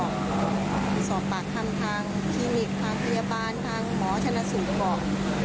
สอบปากคำทางคลินิกทางพยาบาลทางหมอชนะสูตรก็บอก